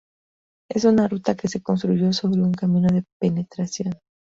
Es una ruta que se construyó sobre un camino de penetración.